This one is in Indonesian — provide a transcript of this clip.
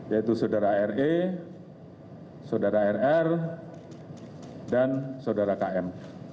yaitu saudara re saudara rr dan saudara km